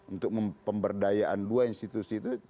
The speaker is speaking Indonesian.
untuk pemberdayaan dua institusi itu